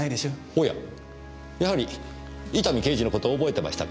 おややはり伊丹刑事の事を覚えてましたか。